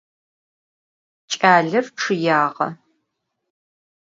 Ç'aler ççıyağe.